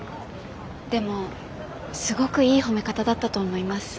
でもすごくいい褒め方だったと思います。